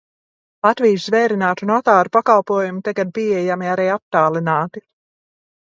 Latvijas zvērinātu notāru pakalpojumi tagad pieejami arī attālināti.